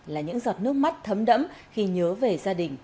là những giọt nước mắt thấm đẫm khi nhớ về gia đình